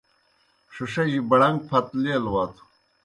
ݜِݜِجیْ بَڑَن٘گ پَھت لیل وتھو۔